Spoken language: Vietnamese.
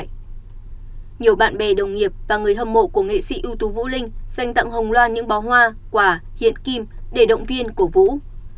nhiều bạn bè đồng nghiệp và người hâm mộ của nghệ sĩ ưu tú vũ linh dành tặng hồng loan những bó hoa quả hiện kim để động viên cổ vũ